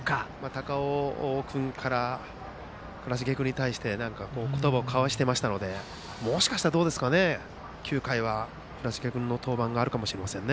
高尾君から倉重君に対して何か言葉を交わしていましたのでもしかしたら、９回は倉重君の登板かもしれません。